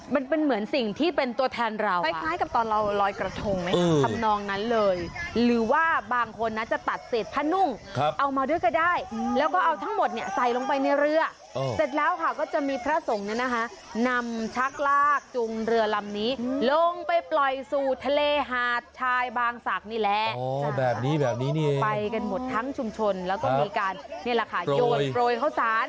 มันเป็นเหมือนสิ่งที่เป็นตัวแทนเราคล้ายกับตอนเราลอยกระทงไหมทำนองนั้นเลยหรือว่าบางคนนะจะตัดเศษผ้านุ่งเอามาด้วยก็ได้แล้วก็เอาทั้งหมดเนี่ยใส่ลงไปในเรือเสร็จแล้วค่ะก็จะมีพระสงฆ์เนี่ยนะคะนำชักลากจุงเรือลำนี้ลงไปปล่อยสู่ทะเลหาดชายบางศักดิ์นี่แหละไปกันหมดทั้งชุมชนแล้วก็มีการนี่แหละค่ะโยนโปรยข้าวสาร